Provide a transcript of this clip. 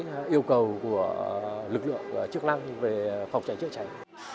theo yêu cầu của lực lượng chức năng về phòng cháy chữa cháy